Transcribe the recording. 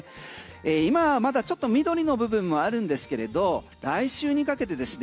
今まだちょっと緑の部分もあるんですけれど来週にかけてですね